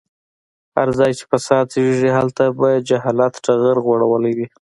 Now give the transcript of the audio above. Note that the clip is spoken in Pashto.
هر ځای چې فساد زيږي هلته به جهالت ټغر غوړولی وي.